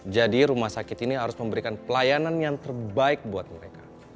jadi rumah sakit ini harus memberikan pelayanan yang terbaik buat mereka